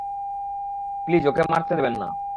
Please, ওকে মরতে দেবেন না!